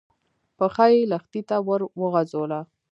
پښه يې لښتي ته ور وغځوله.